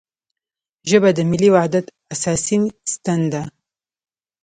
ژبه د ملي وحدت اساسي ستن ده